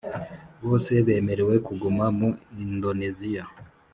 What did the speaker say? bose bemerewe kuguma muri Indoneziya